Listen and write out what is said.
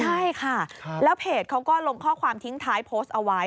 ใช่ค่ะแล้วเพจเขาก็ลงข้อความทิ้งท้ายโพสต์เอาไว้